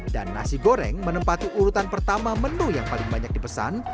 dan nasi goreng menempatkan urutan pertama menu yang paling banyak dipesan